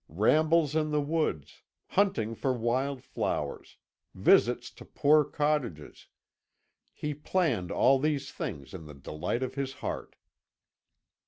Rambles in the woods, hunting for wild flowers, visits to poor cottages he planned all these things in the delight of his heart.